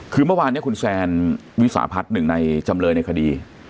คือเมื่อวานเนี่ยคุณแซนวิสาผัส๑ในจำเลยในคดี